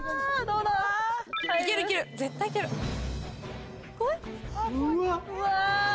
うわ！